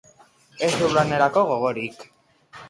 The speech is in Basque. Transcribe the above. Ez du lanerako gogorik.